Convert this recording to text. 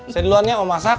saya duluan ya mau masak